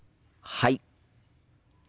はい。